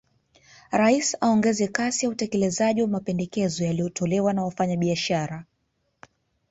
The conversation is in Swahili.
Rais aongeze kasi ya utekelezaji wa mapendekezo yaliyotolewa na Wafanyabiashara